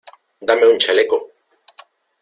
¡ dame un chaleco!